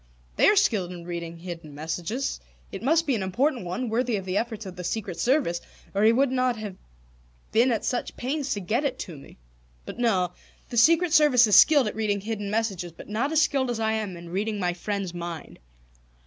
"They are skilled in reading hidden messages. It must be an important one, worthy of the efforts of the Secret Service, or he would not have been at such pains to get it to me "But no. The Secret Service is skilled at reading hidden messages, but not as skilled as I am in reading my friend's mind.